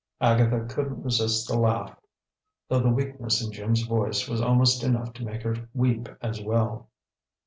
Agatha couldn't resist the laugh, though the weakness in Jim's voice was almost enough to make her weep as well.